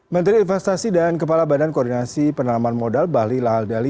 menteri investasi dan kepala badan koordinasi penalaman modal bali laal dali